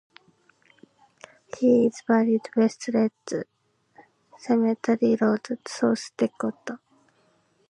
He is buried West Lead Cemetery Lead, South Dakota.